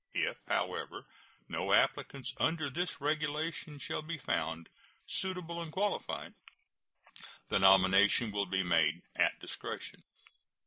If, however, no applicants under this regulation shall be found suitable and qualified, the nomination will be made at discretion.